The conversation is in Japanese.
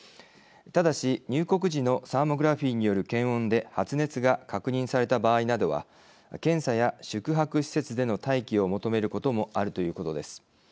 ただし、入国時のサーモグラフィーによる検温で発熱が確認された場合などは検査や宿泊施設での待機を求めることもあるということです。